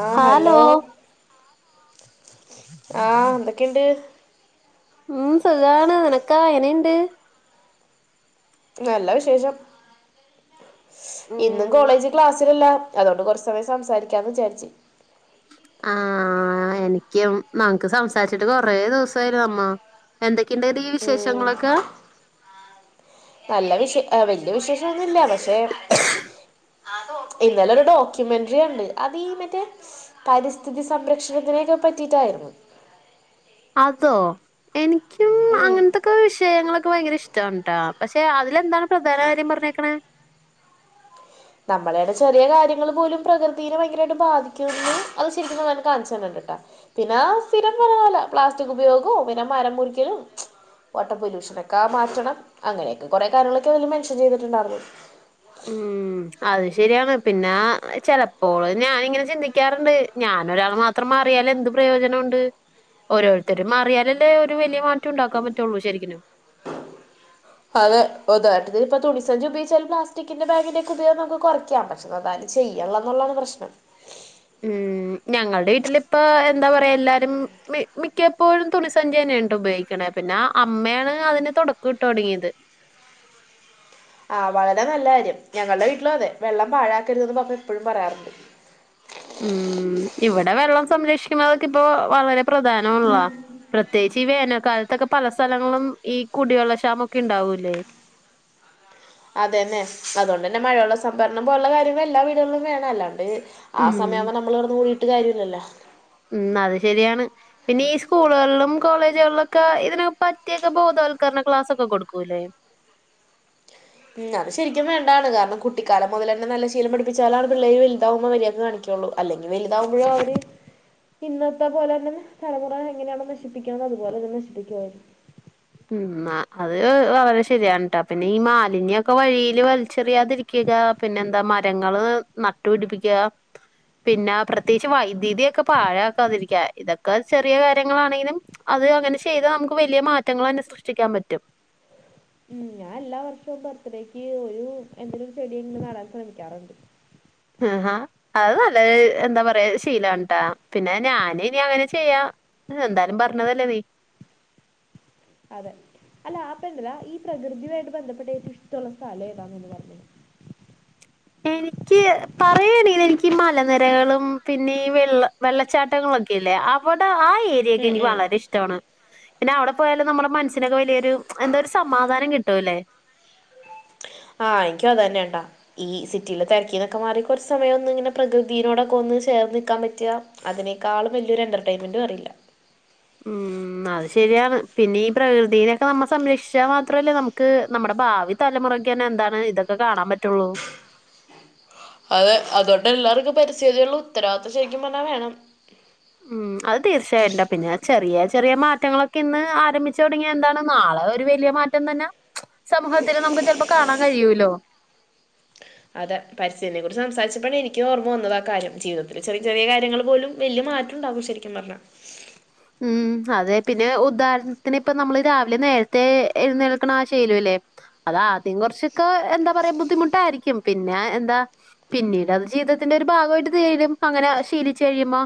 ആഹ് hello ആഹ് എന്തക്കെയിണ്ട്? ഉം സുഖവാണ് നിനക്കോ എങ്ങനെയ്ണ്ട്? നല്ലവിശേഷം ഇന്നും ഉം കോളേജിൽ ക്ലാസ്സില്ലല്ലോ? അതോണ്ട് കൊറച്ച് സമയം സംസാരിക്കാന്ന് വിചാര്ച്ച്. ആഹ് എനിക്കും നമുക്ക് സംസാരിച്ചിട്ട് കൊറേ ദിവസായല്ലോ നമ്മ? എന്തൊക്കെയുണ്ടെടീ ഉം വിശേഷങ്ങളൊക്കെ? നല്ല വിശ വല്യ വിശേഷൊന്നുവില്ല പക്ഷെ ഇന്നലെ ഒരു ഡോക്യുമെന്ററി കണ്ട് അത് ഈ മറ്റേ പരിസ്ഥിതി സംരക്ഷണത്തിനെക്കെ പറ്റിയിട്ടായിരുന്നു. അതോ? എനിക്കും ഉം ഇക്ക് ആ വിഷയങ്ങളൊക്കെ ഭയങ്കര ഇഷ്ട്ടാണ് ട്ടോ. പക്ഷെ അതിലെന്താണ് പ്രധാനകാര്യം പറഞ്ഞേക്ക്ണെ? നമ്മള് എവ്ടെ ചെറിയകാര്യങ്ങൾ പോലും പ്രകൃതിയിനെ ഭയങ്കരായിട്ട് ബാധിക്കുന്നു അത് ശരിക്കും നന്നായിട്ട് കാണിച്ചു തര്ൻണ്ട്ട്ടോ പിന്നെ സ്ഥിരം വരുവല്ല പ്ലാസ്റ്റിക് ഉപയോഗവും പിന്നെ മരം മുറിക്കലും. വാട്ടർ പൊല്യൂഷൊനക്കെ മാറ്റണം അങ്ങനെയക്കെ കൊറേ കാര്യങ്ങളൊക്കെ അതില് മെൻഷൻ ചെയ്തിട്ടുണ്ടായിരുന്നു ഉം [inaudible] അത് ശരിയാണ് പിന്നെ ചെലപ്പോള് ഞാനിങ്ങനെ ചിന്തിക്കാറുണ്ട് ഞാനൊരാൾ മാ ത്രം മാറിയാല് എന്ത് പ്രയോജനമുണ്ട്? ഓരോരുത്തരും മാറിയാലല്ലേ ഒരു വലിയ മാറ്റം ഉണ്ടാക്കാൻ പറ്റുവൊള്ളൂ ശരിക്കിനും? അതെ ഉദാഹരണത്തിന്പ്പം ഇനി തുണിസഞ്ചി ഉപയോഗിച്ചാലും പ്ലസ്റ്റിക്കിന്റെ ബാഗിന്റെക്കെ ഉപയോഗം നമുക്ക് കുറക്കാൻ പ പക്ഷെ അതാരും ചെയ്യ്ന്നില്ലതാണ് പ്രശ്നം ഉം ഞങ്ങൾടെ വീട്ടിലിപ്പം എന്താ പറയാ എല്ലാരും മി മിക്കപ്പോഴും തുണിസഞ്ചി തന്നയേണ് ട്ടോ ഉപയോഗിക്ക ണെ പിന്നെ പിന്നേ അമ്മയാണ് അതിന് തൊടക്കം ഇട്ടു തൊടങ്ങിയത്. ആഹ് വളരെ നല്ലകാര്യം ഞങ്ങളുടെ വീട്ടിലും അതെ വെള്ളം പാഴാക്കരുത് എന്ന് പപ്പ എപ്പഴും പറയാറുണ്ട് ഉം ഇവടെ വെള്ളം സംരക്ഷിക്കുന്നതൊക്കെ ഇപ്പോ വളരെ പ്രധാനമാണാള്ളാ പ്രത്യേകിച്ച് ഈ വേനൽക്കാലത്തൊക്കെ പല സ്ഥലങ്ങളും ഈ കുടിവെള്ള ക്ഷാമൊക്കെ ഇണ്ടാവൂല്ലേ? അത് തന്നെ അതുകൊണ്ട് തന്നെ മഴവെള്ള സംഭരണം പോലുള്ള കാര്യങ്ങൾ എല്ലാ വീടുകളിലും വേണോല്ലോ? അല്ലാണ്ട് ആ ഉം സമയാവുമ്പോ നമ്മള് കെടന്ന് ഓടിയിട്ട് കാര്യവില്ലല്ലോ? ഉം അത് ശരിയാണ്. പിന്നെ ഈ സ്കൂളുകളിലും കോളേജുകളിലൊക്കെ ഇതിന് പറ്റിയൊക്കെ ബോധവൽക്കരണ ക്ലാസ്സൊക്കെ കൊടുക്കൂല്ലേ? ഉം അത് ശരിക്കും വേണ്ടതാണ് കാരണം കുട്ടിക്കാലം മുതലെന്നെ നല്ല ശീലം പഠപ്പിച്ചാലാണ് പിള്ളേര് വലുതാവുമ്പ മര്യാക്ക് കാണിക്കുന്നത് ള്ളൂ അല്ലെങ്കി വലുതാവുമ്പഴും അവര് ഇന്നത്തെ പോലെ തന്നെ തലമുറകള് എങ്ങനെയാണ് നശിപ്പിക്കുന്നത് അതുപോലെ തന്നെ നശിപ്പിക്കുവ ഉം ആഹ് അത് വളരെ ശരിയാണ്ട്ടോ പിന്നെ ഈ മാലിന്യം ഒക്കെ വഴിയില് വലിച്ചെറിയാതിരിക്ക- ക്കുക പിന്നെന്താ മരങ്ങള് നട്ടു പിടിപ്പിക്ക പിന്നെ പ്രത്യേകിച്ച് വൈദ്യുതിയൊക്കെ പാഴാക്കാതിരിക്കാ ഇതൊക്കെ ചെറിയ കാര്യങ്ങളാണെങ്കിലും അത് അങ്ങനെ ചെയ്താ നമുക്ക് വലിയ മാറ്റങ്ങളന്നെ സൃഷ്ടിക്കാൻ പറ്റും ഉം ഞാൻ എല്ലാ വർഷവും ബർത്ത്ഡേക്ക് ഒരു എന്തേലും ചെടി ഇങ്ങനെ നടാൻ ശ്രമിക്കാറുണ്ട് ഇഹ് അഹ് അത് നല്ല എന്താ പറയാ ശീലാണ് ട്ടാ പിന്നെ ഞാന് ഇനി അങ്ങനെ ചെയ്യാ എന്തായാലും പറഞ്ഞതല്ലേ നീ അതെ അല്ല ആപ്പ ഇണ്ടല്ലാ ഈ പ്രകൃതിയുമായിട്ട് ബന്ധപ്പെട്ട ഏറ്റവും ഇഷ്ടവുള്ള സ്ഥലം ഏതാന്ന് ഒന്ന് പറഞ്ഞെ എനിക്ക് പറയാണെങ്കില് എനിക്ക് ഈ മലനെരകളും പിന്നെ ഈ വെള്ള വെള്ളച്ചാട്ടങ്ങള് ഒക്കെ ഇല്ലേ അവടെ ആ ഏരിയൊക്കെ ഉം എനിക്ക് ഉം വളരെ ഇഷ് ടവാണ് പിന്നെ അവിടെ പോയാലും നമ്മളെ മനസ്സിനൊക്കെ വലിയൊരു എന്ത ഒരു സമാധാനം കിട്ടൂല്ലേ ആഹ് എനിക്കും അത് തന്നേണ് ട്ട ഈ സിറ്റിയിലെ തെരക്കിന്നൊക്കെ മാറി കൊർച്ച് സമയം ഒന്ന് ഇങ്ങനെ പ്രകൃതീനോടൊക്കെ ഒന്ന് ചേർന്ന് നിൽക്കാൻ പറ്റ്കാ അതിനേക്കാളും വെല്ല്യൊരു എൻ്റർടൈമെന്റ് വേറെ ഇല്ല ഉ [inaudible] ഉം അത് ശരിയാണ് പിന്നെ ഈ പ്രകൃതിനൊക്കെ നമ്മ സംരക്ഷിച്ചാ മാത്രല്ലെ നമുക്ക് നമ്മടെ ഭാവി തലമുറയ്ക്ക് തന്നെ എന്താണ് ഇതൊക്കെ കാണാൻ പറ്റൊള്ളൂ അതെ അതുകൊണ്ടെല്ലാര്ക്കും പരിസ്ഥിതിയോടുള്ള ഉത്തരവാദിത്വം ശരിക്കും പർഞ്ഞാ വേണം ഉം അത് തീർച്ചയായ്ട്ട്ണ്ട് അഹ് പിന്നെ ചെറിയ ചെറിയ മാറ്റങ്ങളൊക്കെ ഇന്ന് ആരംഭിച്ചു തൊടങ്ങിയ എന്താണ് നാളെ ഒരു വലിയ മാറ്റം തന്നെ സമൂഹത്തില് നമുക്ക് ചെൽപ്പൊ കാണാൻ കഴിയൂല്ലോ അതെ പരിസ്ഥിതിയെ കുറിച്ച് സംസാരിച്ചപ്പഴാണ് എനിക്കു ഓർമ്മ വന്നത് ആ കാര്യം ജീവിതത്തില് ചെറിയ ചെറിയ കാര്യങ്ങൾ പോലും വെല്ല്യെ മാറ്റം ഉണ്ടാവും ശരിക്കും പർഞ്ഞാ ഉം അതെ പിന്നെ ഉദാഹരണത്തിന് ഇപ്പ നമ്മ്ള് രാവിലെ നേരത്തെ എഴ്‌ന്നേൽക്ക്ണ ആ ശീലം ഇല്ലേ അതാദ്യം കൊർച്ചൊക്കെ എന്താ പറയാ ബുദ്ധിമുട്ടായിരിക്കും പിന്നെ എന്താ പിന്നീട് അത് ജീവിതത്തിന്റെ ഒരു ഭാഗവായിട്ട് തീരും അങ്ങനെ ശീലിച്ചു കഴിയുമ്പോ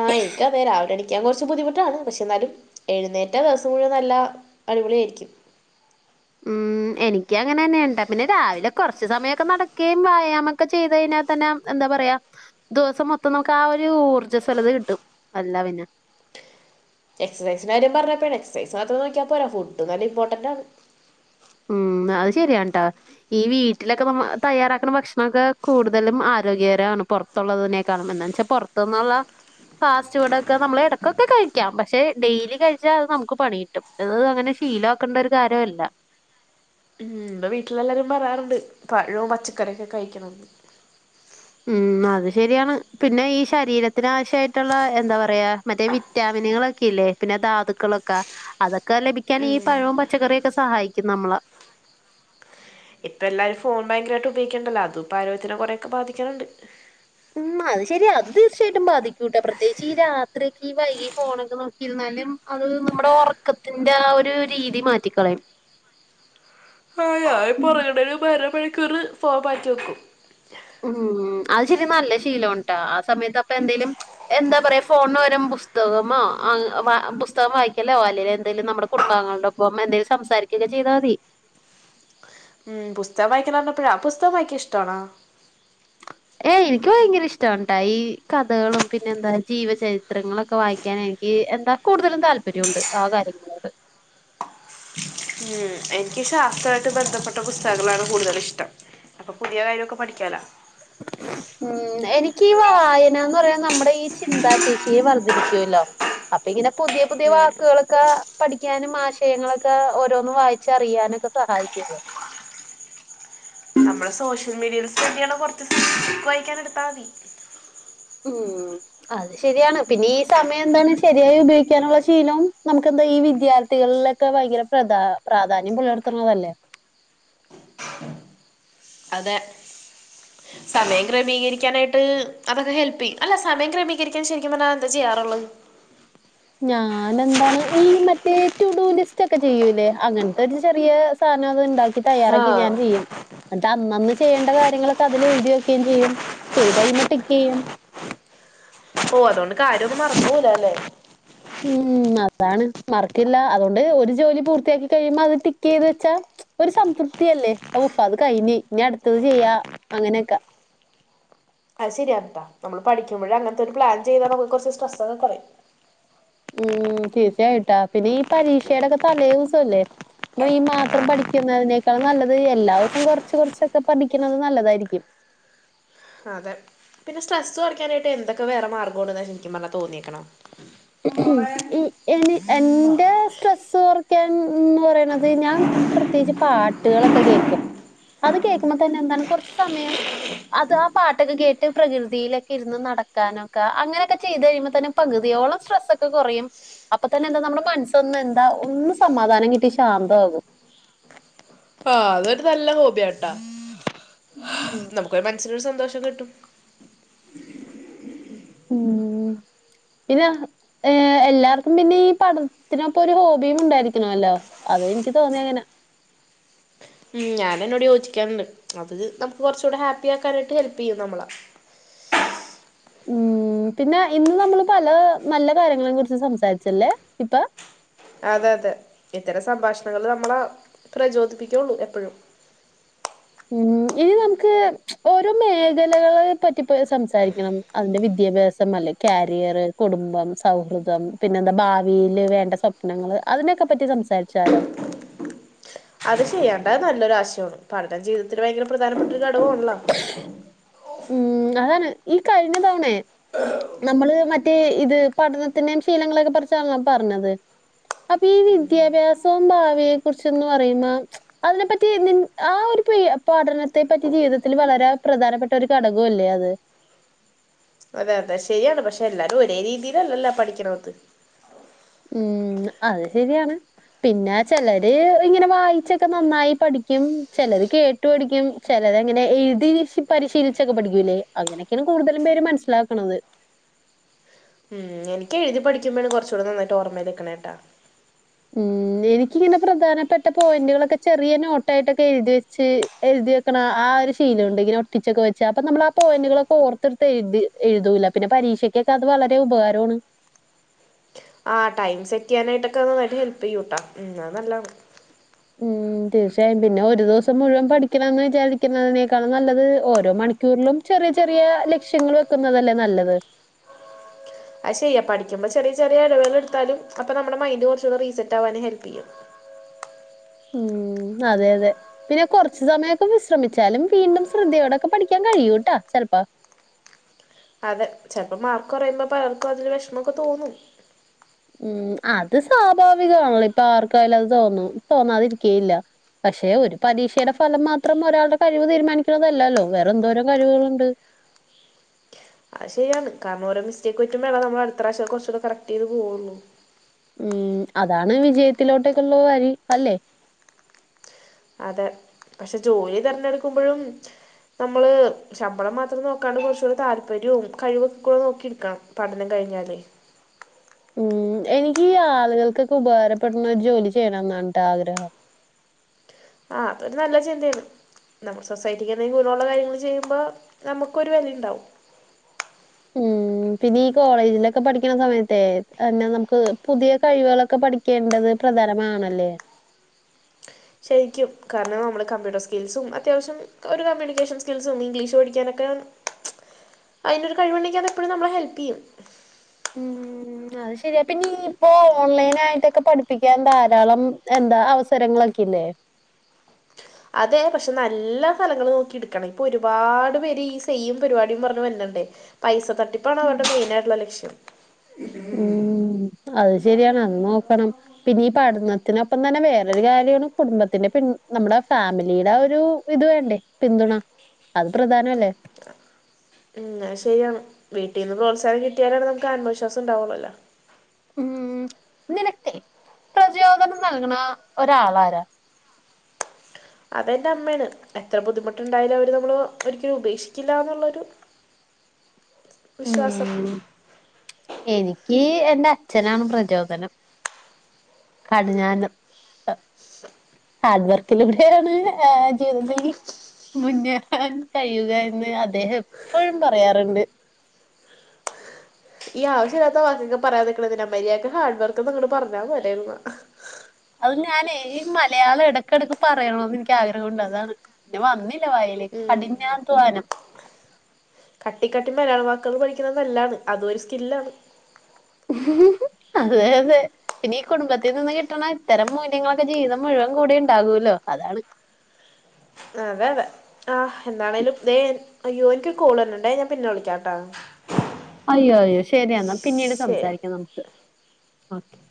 ആഹ് ഇൻക്ക് അതേ രാവിലെ എണീ ക്ക്യാൻ കൊർച്ച് ബുദ്ധിമുട്ടാണ് പക്ഷേ എന്നാലും എഴുന്നേറ്റാ ദിവസം മുഴുവൻ നല്ല അടിപൊളിയായിരിക്കും ഉം എനിക്ക് അങ്ങനെന്നെ ഏണ് ട്ടാ പിന്നെ രാവിലെ കൊറച്ച് സമയമൊക്കെ നടക്ക്യേം വ്യായാമൊക്കെ ചെയ്ത് കഴിഞ്ഞാ തന്നെ എന്താ പറയാ ദിവസം മൊത്തം നമുക്ക് ആ ഒരു ഊർജസ്വലത കിട്ടും അല്ല പിന്നെ എക്സസൈസിന്റെ കാര്യം പറഞ്ഞപ്പഴാണ് എക്സസൈസ് മാത്രം നോക്കിയാൽ പോരാ ഫുഡും നല്ല ഇമ്പോർട്ടൻ്റാണ് ഉം അത് ശെരിയാണ്ട് ട്ടാ ഈ വീട്ടിലൊക്കെ നമ്മ തയ്യാറാക്ക്ണ ഭക്ഷണം ഒക്കെ കൂടുതലും ആരോഗ്യകരമാണ് പൊർ ത്തൊള്ളതിനെക്കാളും എന്താന്ന് വെച്ചാൽ പൊറത്ത്ന്നൊള്ളെ ഫാസ്റ്റ് ഫുഡ് ഒക്കെ നമ്മള് എടക്കൊക്കെ കഴിക്കാം പക്ഷെ ഡെയിലി കഴിച്ചാ അത് നമുക്ക് പണി കിട്ടും ഇത് അങ്ങനെ ശീലക്കണ്ട ഒരു കാര്യവല്ല ഉം വ്ടെ വീട്ടിലെല്ലാരും പറയാറ്ണ്ട് പഴോം പച്ചക്കറിയൊക്കെ കഴിക്ക്യണം എന്ന് ഉം അത് ശരിയാണ് പിന്നെ ഈ ശരീരത്തിന് ആവശ്യായിട്ട്ള്ള എന്താ പറയാ മറ്റേ വി റ്റാമിനുകളൊക്കെ ഇല്ലേ പിന്നെ ധാതുക്കളൊക്കെ അതൊക്കെ ലഭിക്കാന് ഈ ഉം പഴവും പച്ചക്കറിയൊക്കെ സഹായിക്കും നമ്മളെ ഇപ്പൊ എല്ലാരും ഫോൺ ഭയങ്കരമായിട്ട് ഉപയോഗിക്ക്ണ്ടല്ലാ അതുംപ്പ ആരോഗ്യത്തിന് കൊറെയൊക്കെ ബാധിക്കണുണ്ട് ഉം അത് ശരിയാ അത് തീർച്ചയായിട്ടും ബാധിക്കൂട്ടാ പ്രത്യേകിച്ച് ഈ രാത്രിയൊക്കെ ഈ വൈകി ഫോണൊക്കെ നോ ക്കി ഇരുന്നാലും അത് നമ്മടെ ഒറക്കത്തിന്റെ ആ ഒരു രീതി മാറ്റിക്കളയും ആഹ് ഞാൻ ഇപ്പൊ ഒറങ്ങ്ണേന് മുമ്പ് അര മണിക്കൂറ് ഫോൺ മാറ്റി വെക്കും ഉം അത് ശരിക്കും നല്ല ശീലം ആണ് ട്ടാ ആ സമയത്ത് അപ്പൊ എന്തേലും എന്താ പറയാ ഫോണിന് പകരം പുസ്തകമോ അഹ് വാ പുസ്തകം വായിക്കലോ അല്ലേല് എന്തേലും നമ്മടെ കുടുംബാഗങ്ങളുടെ ഒ പ്പം എന്തേലും സംസാരിക്കൊക്കെ ചെയ്താ മതി ഉം പുസ്തകം വായിക്കാ പർഞ്ഞപ്പഴാ പുസ്തകം വായിക്കാൻ ഇഷ്ട്ടാണോ ഏഹ് എനിക്ക് ഭയങ്കര ഇഷ്ടണ്ടായി ഈ കഥകളും പിന്നെ എന്താ ജീവചരിത്രങ്ങളൊക്കെ വായിക്കാൻ എനിക്ക് എന്താ കൂടുതലും താല്പര്യമുണ്ട് ആ കാര്യങ്ങളോട് ഉം എനിക്ക് ശാസ്ത്രായിട്ട് ബന്ധപ്പെട്ട പുസ്തകങ്ങളാണ് കൂടുതലിഷ്ടം അപ്പൊ പുതിയ കാര്യൊക്കെ പഠിക്കാലോ [inaudible] ഉം എനിക്ക് ഈ വായന എന്ന് പറയാ നമ്മുടെ ഈ ചിന്താ ശേഷിയെ വർദ്ധിപ്പിക്കൂല്ലോ അപ്പൊ ഇങ്ങനെ പുതിയ പുതിയ ഉം വാക്കുകള് ക്കെ പഠിക്കാനും ആശയങ്ങളൊക്കെ ഓരോന്ന് വായിച്ചറിയാനൊക്കെ സഹായിക്കുന്നു നമ്മള് സോഷ്യൽ മീഡിയയിൽ സ്പെൻഡ് ചെയ്യണ [unintelligible] കൊറച്ച്ക്ക് വായിക്കാൻ എടുത്താമതി ഉം അത് ശരിയാണ് പിന്നെ ഈ സമയം എന്താണ് ശരിയായി ഉപയോഗിക്കാനുള്ള ശീലവും നമുക്കെന്താ ഈ വിദ്യാർത്ഥികളില് ക്കെ ഭയങ്കര പ്രധാ പ്രാധാന്യം പുലർത്തുന്നതല്ലേ അതെ സമയം ക്രമീകരിക്കാനായിട്ട് അതൊക്കെ ഹെൽപ്പെയ്യും അല്ല സമയം ക്രമീകരിക്കാൻ ശരിക്കും പറഞ്ഞാ എന്താ ചെയ്യാറുള്ളത് ഞാനെന്താണ് ഈ മറ്റേ റ്റുടൂലിസ്റ്റ് ഒക്കെ ചെയ്യൂലേ അങ്ങനത്തെ ഒരു ചെറിയ സാനം അത് ഇണ്ടാ കി തയ്യാറാക്കി ആഹ് ഞാൻ ചെയ്യും എന്നട്ട് അന്നന്ന് ചെയ്യേണ്ട കാര്യങ്ങളൊക്കെ അതിൽ എഴുതി വെക്കുകയും ചെയ്യും ചെയ്തെഴിയുമ്പോ ടിക്കെയ്യും ഓഹ് അതുകൊണ്ട് കാര്യൊന്നും മറന്ന് പോവുലല്ലേ ഉം അതാണ് മറക്കില്ല അതുകൊണ്ട് ഒരു ജോലി പൂർത്തിയാക്കി കഴിയുമ്പോ അത് ടിക്ക് ചെയ്ത് വെച്ചാ ഒരു സംതൃപ്തിയല്ലേ ഉഫ് അത് കഴിഞ്ഞ് ഇനി അടുത്തത് ചെയ്യാ അങ്ങനെയൊക്കെ അത് ശരിയാന്ന്ട്ടാ നമ്മള് പഠിക്കുമ്പഴേ അങ്ങൻത്തൊരു പ്ലാൻ ചെയ്താ നമുക്ക് കുറച്ച് സ്ട്രെസൊക്കെ കൊറയും ഉം തീർച്ചയായിട്ടാ പിന്നെ ഈ പരീക്ഷയുടൊക്കെ തലേദിവസല്ലേ അപ്പ ഈ മാത്രം പഠിക്കുന്നതിനേക്കാൾ നല്ലത് എല്ലാ ദിവസം കൊറച്ച് കൊറച്ചൊക്കെ പഠിക്കുന്നത് നല്ലതായിരിക്കും അതെ പിന്നെ സ്ട്രെസ് കൊറക്കാനായിട്ട് എന്തൊക്കെ വേറെ മാർഗോ ശരിക്കും പറഞ്ഞാ തോന്നിയേക്കണെ മോളെ ഈ- എനി- എന്റെ സ്ട്രെസ് കുറയ്ക്കാൻ എന്ന് പറയണത് ഞാൻ പ്രത്യേകിച്ച് പാട്ടുകളൊക്കെ കേക്കും അത് കേക്കുമ്പോ തന്നെ എന്താണ് കൊറച്ച് സമയം അത് ആ പാട്ടൊക്കെ കേട്ട് പ്രകൃതിയിലൊക്കെ ഇരുന്ന് നടക്കാനൊക്കെ അങ്ങനെയൊക്കെ ചെയ്തെഴിയുമ്പോൾ തന്നെ പകുതിയോളം സ്ട്രെസ്സൊക്കെ കുറയും അപ്പൊ തന്നെ എന്താ നമ്മുടെ മനസ്സൊന്ന് എന്താ ഒന്ന് സമാധാനം കിട്ടി ശാന്തമാകും ആ അതൊരു നല്ല ഹോബിയാട്ടാ ഉം. നമുക്കൊരു മനസ്സിനൊരു സന്തോഷം കിട്ടും ഉം പിന്നെ ഏഹ് എല്ലാർക്കും പിന്നെ ഈ പഠനത്തിനൊപ്പൊ ഒരു ഹോബിയും ഉണ്ടായിരിക്കണല്ലോ അതും എനിക്ക് തോന്നിയ അങ്ങനാ ഉം ഞാനതിനോട് യോജിക്കണണ്ട് അത് നമുക്ക് കുറച്ചുകൂടെ ഹാപ്പി ആക്കാനായിട്ട് ഹെൽപ് ചെയ്യും നമ്മളെ ഉം പിന്നെ ഇന്ന് നമ്മള് പല നല്ല കാര്യങ്ങളെക്കുറിച്ച് സംസാരിച്ചല്ലേ ഇപ്പം അതെ അതെ ഇത്തരം സംഭാഷണങ്ങള് നമ്മളെ പ്രചോദിപ്പിക്കെള്ളു എപ്പഴും ഉം ഇനി നമുക്ക് ഓരോ മേഖലകളെ പറ്റിപ്പോ സംസാരിക്കണം അതിന്റെ വിദ്യാഭ്യാസം അല്ലേ കാരിയർ കുടുംബം സൗഹൃദം പിന്നെ എന്താ ഭാവിയില് വേണ്ട സ്വ പ്നങ്ങള് അതിനൊക്കെ പറ്റി സംസാരിച്ചാലോ? അത് ചെയ്യേണ്ടത് നല്ലൊരു ആശയമാണ് പഠനം ജീവിതത്തില് ഭയങ്കര പ്രധാനപ്പെട്ട ഒരു ഘടകവാണല്ലോ ഉം അതാണ് ഈ കഴിഞ്ഞ തവണേ നമ്മള് മറ്റേ ഇത് പഠനത്തിന്റെയും ശീലങ്ങളൊക്കെ കുറിച്ചാണല്ലോ പറഞ്ഞത് അപ്പൊ ഈ വിദ്യാഭ്യാസവും ഭാവിയെ കുറിച്ചൊന്ന് പറയുന്ന അതിനെപ്പറ്റി നിൻ ആ ഒരു പി പഠനത്തെ പറ്റി ജീവിതത്തിൽ വളരെ പ്രധാനപ്പെട്ട ഒരു ഘടക കല്ലേ അത് അതെ അതെ ശരിയാണ് പക്ഷെ എല്ലാരും ഒരേ രീതിയിലല്ലല്ലോ പഠിക്കണത് ഉം അത് ശെരിയാണ് പിന്നെ ചെലര് ഇങ്ങനെ വായിച്ചൊക്കെ നന്നായി പഠിക്കും ചെലര് കേട്ട് ചറ്റു പഠിക്കും ചിലത്ങ്ങനെ എഴുതി പരിശീലിച്ചൊക്ക പഠിക്കൂലെ അങ്ങനെക്കേണ് കൂടുതലും പേര് മനസ്സിലാക്ക്ണത് ഉം എനിക്ക് എഴ്തി പഠിക്കുമ്പഴാണ് കൊറ്ച്ചൂട നന്നായിട്ട് ഓർമ്മെ നിക്ക്ണേട്ട ഉം എനിക്കിങ്ങനെ പ്രധാനപ്പെട്ട പോയിന്റുകളൊക്കെ ചെറിയ നോട്ടായിട്ടൊക്ക എഴുതി വെച്ച് എഴുതി വെക്ക്ണ ആഹ് ഒരു ശീലവുണ്ട് ഇങ്ങന ഒട്ടിച്ചൊക്കെ വെച്ച അപ്പ നമ്മൾ ആഹ് പോയിന്റുകളൊക്ക ഓർത്ത് ത്തു എഴുതൂല്ലെ പിന്ന പരീക്ഷയ്ക്കൊക്ക അത് വളരെ ഉപകാരാണ് ആഹ് ടൈമ് സെറ്റീയ്യാനായിട്ടൊക്ക അത് നന്നായിട്ട് ഹെല്പിയ്യൂട്ടാ ഉം അത് നല്ലത് ഉം തീർച്ചയായും പിന്നെ ഒര് ദിവസം മുഴുവൻ പഠിക്കണം എന്ന് വിചാരിക്കുന്നതിനേക്കാളും നല്ലത് ഓരോ മണിക്ക കൂറ്ലും ചെറിയ ചെറിയ ലക്ഷ്യങ്ങള് വെക്ക്ന്നതല്ലെ നല്ലത് അയ് ശരിയാ പഠിക്കുമ്പൊ ചെറിയ ചെറിയ എടവേളകളെട്ത്താലും അപ്പൊ നമ്മടെ മൈൻഡ് കൊറ്ച്ചൂട റീസെറ്റാവാന് ഹെൽപിയ്യും ഉം അതെ അതെ പിന്നെ കൊറ്ച്ച് സമയമൊക്ക വിശ്രമിച്ചാലും വീണ്ടും ശ്രദ്ധയോടൊക്ക പഠിക്കാൻ കഴിയൂട്ട ചെലപ്പൊ അതെ ചെൽപ്പൊ മാർക്ക് കെറെയുമ്പൊ പലർക്കും അതൊരു വെഷമൊക്കെ തോന്നും ഉം അത് സ്വാഭാവികമാണ് ഇപ്പൊ ആർക്കായാലും അത് തോന്നും തോന്നാതിരിക്കേയില്ല പക്ഷെ ഒരു പരീക്ഷേടെ ഫലം മാത്രം ഒരാള്ടെ കഴിവ് തീരുമാനിക്കണതല്ലല്ലോ വേറെ എന്തോരം കഴിവ്കള്ണ്ട് അത് ശരിയാണ് കാര്ണം ഓരോ മിസ്റ്റേക്ക് പറ്റുമ്പൊ നമ്മള് അടുത്ത പ്രാവശ്യം കൊറച്ചൂട കറക്റ്റീത് പോവുന്നു ഉം അതാണ് വിജയത്തിലോട്ടക്കു ഉള്ള വഴി അല്ലെ അതെ പഷെ ജോലി തെരഞ്ഞെട്ക്കുമ്പഴും നമ്മള് ശമ്പളം മാത്രം നോക്കാണ്ട് കൊറച്ചൂടി താല്പര്യോം കഴിവും ഒക്ക നോക്കി എടുക്കണം പഠനം കഴിഞ്ഞാല് ഉം എനിക്ക് ഈ ആളുകൾക്കൊക്ക ഉപകാരപ്പെട്ണൊരു ജോലി ചെയ്യണംന്നാണട്ടോ ആഗ്രഹം ആഹ് അതൊരു നല്ല ചിന്തയാണ് നമ്മൾ സൊസൈറ്റിക്ക് എന്തെങ്കിലും ഗുണവുള്ള കാര്യങ്ങള് ചെയ്യുമ്പളൊ നമ്മക്കൊരു വെലയുണ്ടാവും ഉം. [unintelligible] പിന്നെ ഈ കോളേജ്ലൊക്ക പഠിക്ക്ണ സമയത്തേ എന്ന നമുക്ക് പുതിയ കഴിവേളൊക്ക പഠി ക്കേണ്ടത് പ്രധാനമാണല്ലേ ശരിക്കും കാര്ണം നമ്മള് കമ്പ്യൂട്ടർ സ്കിൽസും അത്യാവശ്യം ഒരു കമ്മ്യൂണിക്കേഷൻ സ്കിൽസും ഇംഗ്ലീഷ് പഠിക്കാനൊക്ക അയ്നൊരു കഴിവുണ്ടെങ്കി അതെപ്പഴും നമ്മളെ ഹെൽപ്പയ്യും ഉം. [unintelligible] അത് ശരിയാണ് പിന്നീയിപ്പോ ഓൺലൈനായിട്ടൊക്ക പഠിപ്പിക്കാൻ ധാരാളം എന്താ അവസരങ്ങളൊക്കെ ഇല്ലേ അതെ പക്ഷെ നല്ല ഫലങ്ങള് നോക്കി ഇട്ക്കണം ഇപ്പൊ ഒരുപാട് പേര് ഈ സെയിം പരിപാടിം പറഞ് വരിന്ന്ണ്ടെ പൈസ തട്ടിപ്പാണ് അവർടെ മെയിനായിട്ട്ള്ള ലക്ഷ്യം ഉം അത് ശരിയാണ് അതും നോക്കണം പിന്നെ ഈ പഠനത്തിനൊപ്പം തന്നെ വേറൊരു കാര്യാണ് കുടുംബത്തിന്റെ പിന്ന നമ്മ്ടെ ഫാമിലേട ഒരൂ ഇത് വേണ്ടേ പിന്തുണ അത് പ്രധാനല്ലെ ഉം അയ് ശരിയാണ് വീട്ടീന്ന് പ്രോത്സാഹനം കിട്ടിയാലെ നമുക്ക് ആത്മവിശ്വാസം ഇണ്ടാവൊള്ളുല്ലു ഉം നിനക്കെ പ്രചോദനം നൽക്ണാ ഒരാളാരാ അതെന്റെ അമ്മേണ് എത്ര ബുദ്ധിമുട്ടുണ്ടായാലും അവര് നമ്മള് ഒരിക്കലും ഉപേക്ഷിക്കില്ല എന്നുള്ളൊരു വിശ്വാസം ഉം. എനിക്ക് എന്റെ അച്ഛനാണ് പ്രചോദനം കടിഞ്ഞാനം ഹാർഡ് വർക്കിലൂടെയാണ് ഏഹ് ജീവി മുന്നേറാൻ കഴിയുക എന്ന് അദ്ദേഹം എപ്പഴും പറയാറ്ണ്ട് ഈ ആവശ്യല്ലാത്ത വാക്കൊക്കെ പറയാം നിക്ക്ണെന്തിനാ മര്യാക് ഹാർഡ് വർക്ക്ന്ന് ഇങ്ങ്ട്ട് പറഞ്ഞാ പോരെ അത് ഞാനേ ഈ മലയാളം എടക്കെടക്ക് പറയണൊന്ന് ഇൻക്ക് ആഗ്രഹവുണ്ട് അതാണ് പിന്നെ വന്നെ എൻ്റെ വായില് ഉം കടിനാധ്വാവാനം കട്ടിക്കട്ടി മലയാള വാക്കേള് പഠിക്ക്ന്ന നല്ലാണ് അത് ഒരു സ്കില്ലാണ് അതെ അതെ പിന്നെ ഈ കുടുംബത്തീന്ന്ന്ന് കിട്ട്ണ ഇത്തരം മൂല്യങ്ങളൊക്കെ ജീവിതം മുഴുവൻ കൂടി ഉണ്ടാകോല്ലൊ അതാണ് അതെ അതെ ആഹ് എന്താണേലും അയ്യോ എൻക്കൊരു കോൾ വർണ് ണ്ടേ ഞാൻ പിന്നെ വിളിക്കാട്ടൊ അയ്യോ അയ്യോ ശരിയെന്ന പിന്നീട് ശരി സംസാരിക്കാം നമുക്ക് ഓക്കെ